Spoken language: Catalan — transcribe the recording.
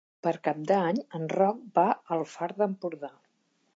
Per Cap d'Any en Roc va al Far d'Empordà.